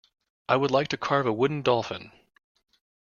I would like to carve a wooden dolphin.